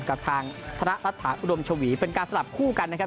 กับทางธนรัฐฐาอุดมชวีเป็นการสลับคู่กันนะครับ